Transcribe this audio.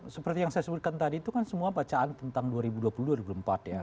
seperti yang saya sebutkan tadi itu kan semua bacaan tentang dua ribu dua puluh dua ribu empat ya